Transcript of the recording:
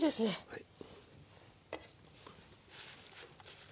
はい。